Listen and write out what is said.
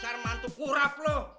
dasar mantuk urap lo